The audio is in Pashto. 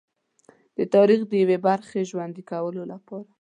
د تاریخ د یوې برخې ژوندي کولو لپاره.